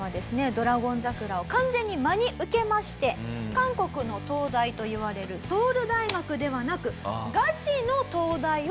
『ドラゴン桜』を完全に真に受けまして韓国の東大といわれるソウル大学ではなくガチの東大を目指す事になります。